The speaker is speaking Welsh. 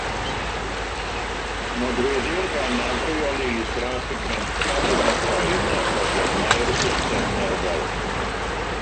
Nodweddir gan afreoleidd-dra pigmentiad yn y croen a phroblemau'r system nerfol.